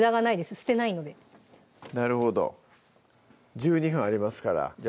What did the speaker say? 捨てないのでなるほど１２分ありますからじゃあ